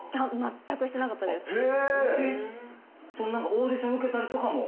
オーディション受けたりとかも。